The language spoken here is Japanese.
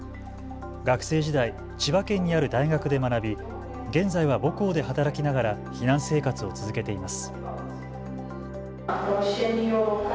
学生時代、千葉県にある大学で学び現在は母校で働きながら避難生活を続けています。